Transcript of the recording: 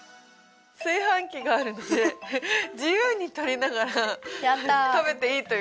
炊飯器があるので自由に取りながら食べていいという事です。